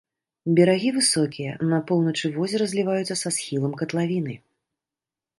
Берагі высокія, на поўначы возера зліваюцца са схіламі катлавіны.